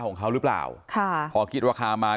ของเขารึเปล่าพอคิดราคามา